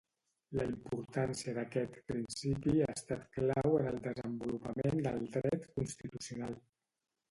La importància d'aquest principi ha estat clau en el desenvolupament del Dret constitucional.